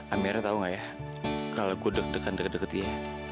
amirnya tau gak ya kalau aku deg degan deket deket dia